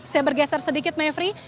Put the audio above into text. saya bergeser sedikit mevri